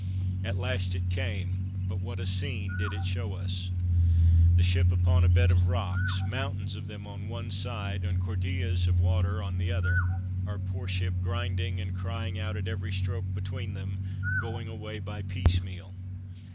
At last it came; but what a scene did it show us! The ship upon a bed of rocks, mountains of them on one side, and Cordilleras of water on the other; our poor ship grinding and crying out at every stroke between them; going away by piecemeal.